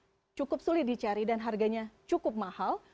masker bedah cukup sulit dicari dan harganya cukup mahal